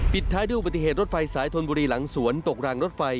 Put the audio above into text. ปิดท้ายดูปฏิเหตุรถไฟสายทนบุรีหลังสวนตกรางรถไฟ